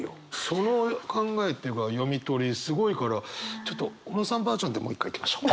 その考えっていうか読み取りすごいからちょっと小野さんバージョンでもう一回いきましょう。